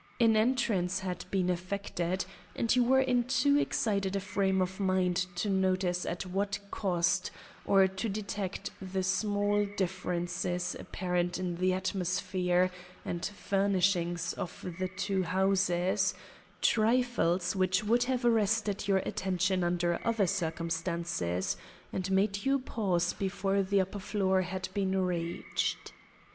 An entrance had been effected, and you were in too excited a frame of mind to notice at what cost, or to detect the small differences apparent in the atmosphere and furnishings of the two houses—trifles which would have arrested your attention under other circumstances, and made you pause before the upper floor had been reached.